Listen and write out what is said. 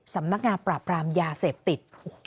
สำนักงานปราบรามยาเสพติด